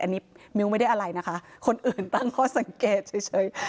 อันนี้มิ้วไม่ได้อะไรนะคะคนอื่นตั้งข้อสังเกตเฉย